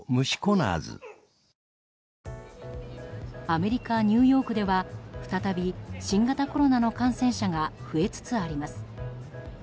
アメリカ・ニューヨークでは再び新型コロナの感染者が増えつつあります。